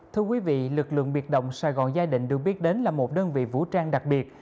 thưa quý vị lực lượng biệt động sài gòn gia đình được biết đến là một đơn vị vũ trang đặc biệt